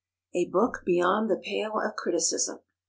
_ "_A book beyond the pale of criticism.